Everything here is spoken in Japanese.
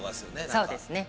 そうですね。